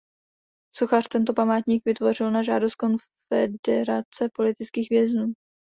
Sochař tento památník vytvořil na žádost Konfederace politických vězňů.